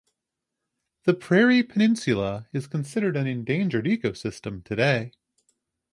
The Prairie Peninsula is considered an endangered ecosystem today.